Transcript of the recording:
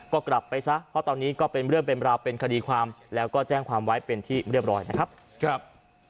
ก็กลับไปซะเพราะตอนนี้ก็เป็นเรื่องเป็นราวเป็นคดีความแล้วก็แจ้งความไว้เป็นที่เรียบร้อยนะครับ